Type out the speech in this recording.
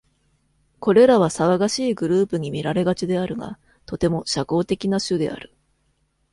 これらは騒がしいグループに見られがちであるが、とても社交的な種である。